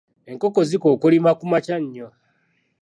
Enkoko zikookolima kumakya nnyo.